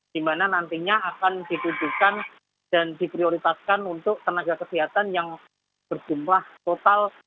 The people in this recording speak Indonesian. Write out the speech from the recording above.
dimana nantinya akan ditujukan dan diprioritaskan untuk tenaga kesehatan yang berjumlah total